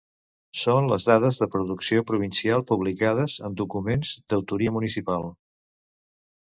Són les dades de producció provincial publicades en documents d'autoria municipal.